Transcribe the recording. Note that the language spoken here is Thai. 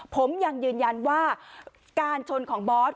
ผมยังยืนยันว่าการชนของบอส